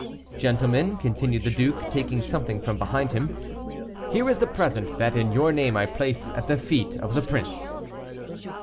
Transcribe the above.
"Gentlemen," continued the duke, taking something from behind him, "here is the present that in your name I place at the feet of the prince."